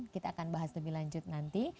kita akan bahas lebih lanjut nanti